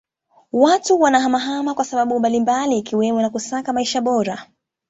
Watu wanahama kwa sababu mbalimbali ikiwemo kusaka maisha bora